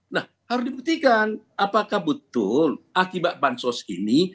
nah harus dibuktikan apakah betul akibat bansos ini